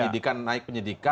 penyidikan naik penyidikan